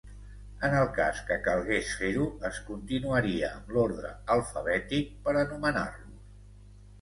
En el cas que calgués fer-ho, es continuaria amb l'ordre alfabètic per a nomenar-los.